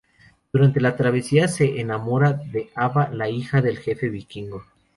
Durante la travesía, se enamora de Abba, la hija del jefe vikingo.